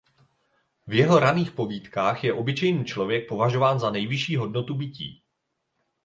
V jeho raných povídkách je obyčejný člověk považován za nejvyšší hodnotu bytí.